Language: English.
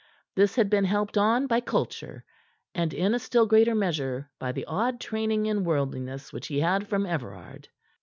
This had been helped on by culture, and in a still greater measure by the odd training in worldliness which he had from Everard.